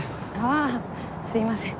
ああすいません。